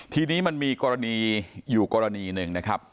ทีนี้มันมีกรณีอยู่กรณีหนึ่งนะครับ